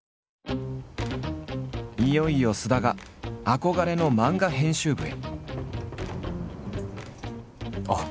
いよいよ菅田が憧れの漫画編集部へ。